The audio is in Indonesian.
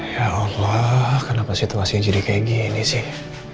ya allah kenapa situasinya jadi kayak gini sih